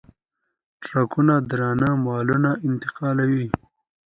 ټرکونه درانه مالونه انتقالوي.